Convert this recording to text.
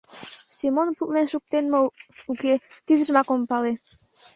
Семон путлен шуктен мо, уке — тидыжымак ом пале.